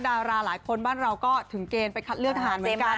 ดาราหลายคนบ้านเราก็ถึงเกณฑ์ไปคัดเลือกทหารเหมือนกัน